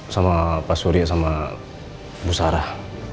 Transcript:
sama pak surya sama bu sarah